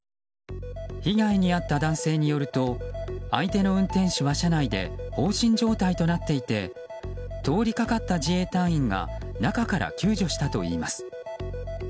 被害に遭った男性によると相手の運転手は車内で放心状態となっていて通りかかった自衛隊員が中から救助したといいます。